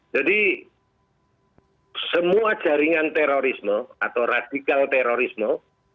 jadi semua jaringan terorisme atau radikal terorisme